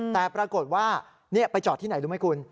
แต่ปรากฏว่าไปจอดที่ไหนรู้ไหมคุณ